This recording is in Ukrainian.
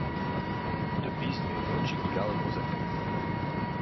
До пізньої ночі гуляли козаки.